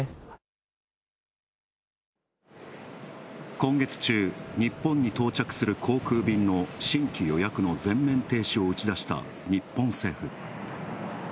今月中、日本に到着する航空便の新規予約の全面停止を打ち出した日本政府。